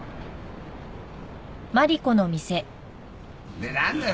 で何だよ